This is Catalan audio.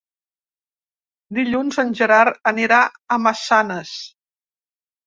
Dilluns en Gerard anirà a Massanes.